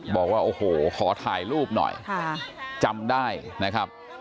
บอกว่าโอ้โหขอถ่ายรูปหน่อยจำได้นะครับ